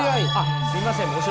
あっすみません